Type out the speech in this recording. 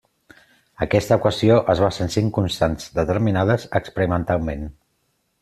Aquesta equació es basa en cinc constants determinades experimentalment.